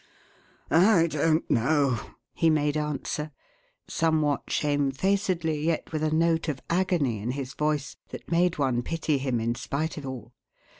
"I don't know," he made answer, somewhat shamefacedly yet with a note of agony in his voice that made one pity him in spite of all.